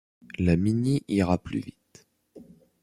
La Mini ira plus vite.